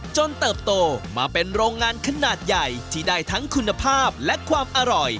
เติบโตมาเป็นโรงงานขนาดใหญ่ที่ได้ทั้งคุณภาพและความอร่อย